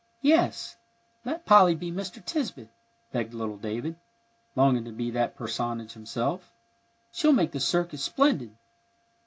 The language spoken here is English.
"Yes, let Polly be Mr. Tisbett," begged little David, longing to be that personage himself. "She'll make the circus splendid."